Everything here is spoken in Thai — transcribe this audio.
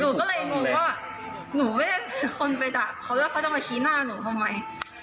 หนูก็เลยงงว่าหนูไม่ได้เป็นคนไปด่าเขาแล้วเขาจะมาชี้หน้าหนูทำไม